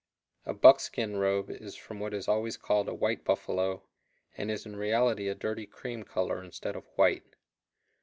A "buckskin robe" is from what is always called a "white buffalo," and is in reality a dirty cream color instead of white.